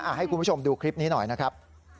ให้คุณผู้ชมดูคลิปนี้หน่อยนะครับ